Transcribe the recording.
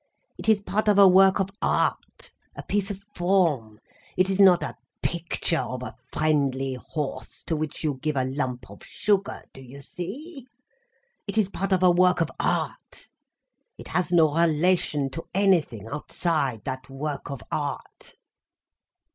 It is part of a work of art, a piece of form. It is not a picture of a friendly horse to which you give a lump of sugar, do you see—it is part of a work of art, it has no relation to anything outside that work of art."